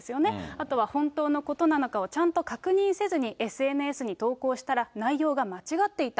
あとは、本当のことなのかをちゃんと確認せずにＳＮＳに投稿したら内容が間違っていた。